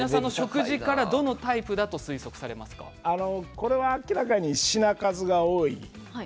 これは明らかに品数が多い。